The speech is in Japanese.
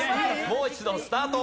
もう一度スタート！